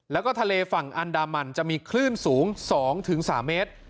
แล้วก็ทะเลฝั่งอันดามันจะมีคลื่นสูง๒๓เมตร